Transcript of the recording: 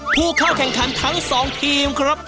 ผู้เข้าแข่งขันทั้ง๒ทีมครับ